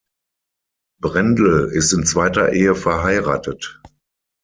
Brendel ist in zweiter Ehe verheiratet.